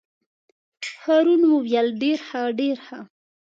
هارون وویل: ډېر ښه ډېر ښه.